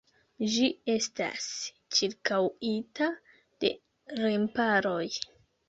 Ĝi estas ĉirkaŭita de remparoj.